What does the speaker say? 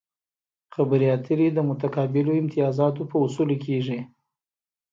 خبرې اترې د متقابلو امتیازاتو په اصولو کیږي